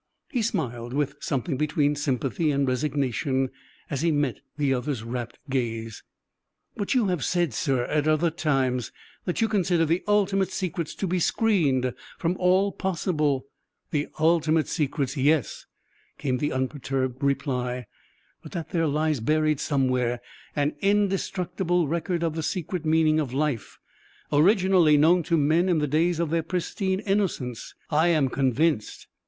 He smiled, with something between sympathy and resignation as he met the other's rapt gaze. "But you have said, sir, at other times, that you consider the ultimate secrets to be screened from all possible " "The ultimate secrets, yes," came the unperturbed reply; "but that there lies buried somewhere an indestructible record of the secret meaning of life, originally known to men in the days of their pristine innocence, I am convinced.